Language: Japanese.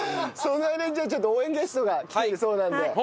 じゃあちょっと応援ゲストが来ているそうなんで。